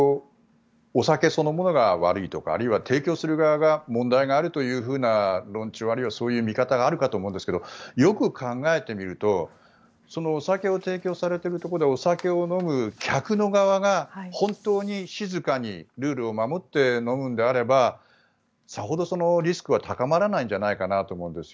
お酒そのものが悪いとか、あるいは提供する側が問題があるという論調、あるいはそういう見方があるかと思うんですがよく考えてみるとお酒を提供されているところでお酒を飲む客の側が本当に静かにルールを守って飲むのであればさほどリスクは高まらないんじゃないかと思うんです。